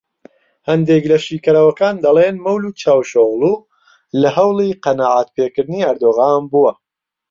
هەندێک لە شیکەرەوەکان دەڵێن مەولود چاوشئۆغڵو لە هەوڵی قەناعەتپێکردنی ئەردۆغان بووە